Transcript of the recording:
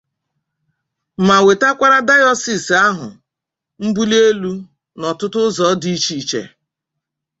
ma wetakwara dayọsiisi ahụ mbulielu n'ọtụtụ ụzọ dị iche iche.